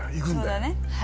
そうだね。